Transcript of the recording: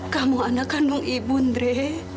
kamu anak kandung ibu nd